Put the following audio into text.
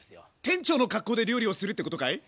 店長の格好で料理をするってことかい？